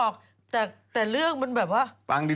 เขาว่าอย่างนั้น